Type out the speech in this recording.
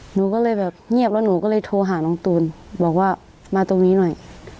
หนูก็เลยแบบเงียบแล้วหนูก็เลยโทรหาน้องตูนบอกว่ามาตรงนี้หน่อย